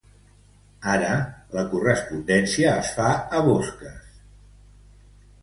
Ara, la correspondència es fa a Bosques.